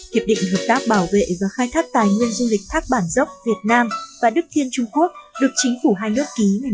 hiệp định hợp tác bảo vệ và khai thác tài nguyên du lịch tháp bản dốc việt nam và đức thiên trung quốc